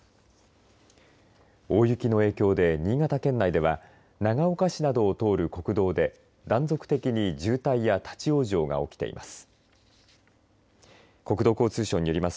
大雪の影響で新潟県内では長岡市などを通る国道で断続的に渋滞や立往生が起きています。